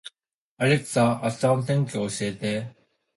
アレクサ、明日の天気を教えて